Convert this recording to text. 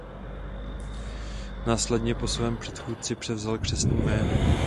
Následně po svém předchůdci převzal křestní jméno.